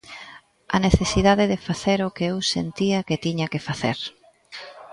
A necesidade de facer o que eu sentía que tiña que facer.